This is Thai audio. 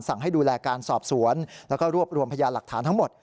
สั่งให้ดูแลการสอบสวนแล้วก็รวบรวมพยานหลักฐานทั้งหมด